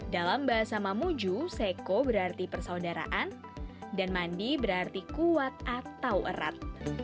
dalam bahasa mamuju seko berarti persaudaraan dan mandi berarti kuat atau erat